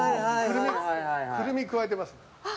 クルミくわえています。